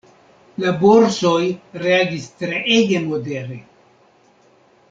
La borsoj reagis treege modere.